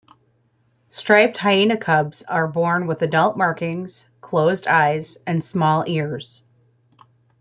Striped hyena cubs are born with adult markings, closed eyes and small ears.